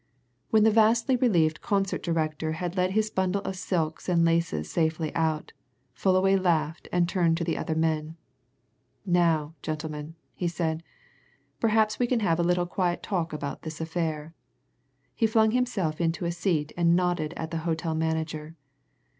When the vastly relieved concert director had led his bundle of silks and laces safely out, Fullaway laughed and turned to the other men. "Now, gentlemen," he said, "perhaps we can have a little quiet talk about this affair." He flung himself into a seat and nodded at the hotel manager.